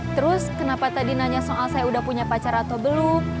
terus kenapa tadi nanya soal saya udah punya pacar atau belum